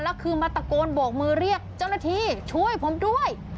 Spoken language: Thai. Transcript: แล้วคือมาตะโกนโบกมือเรียกเจ้าหน้าที่ช่วยผมด้วย